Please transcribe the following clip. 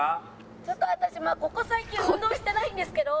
ちょっと私まあここ最近運動してないんですけど。